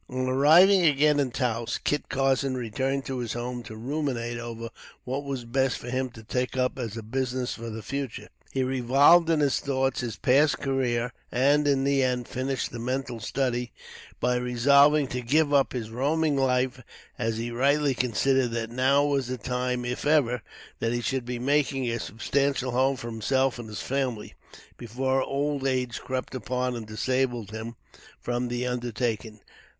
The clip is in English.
On arriving again in Taos, Kit Carson returned to his home to ruminate over what was best for him to take up as a business for the future. He revolved in his thoughts his past career, and, in the end, finished the mental study by resolving to give up his roaming life, as he rightly considered that now was the time, if ever, that he should be making a substantial home for himself and family, before old age crept upon and disabled him from the undertaking.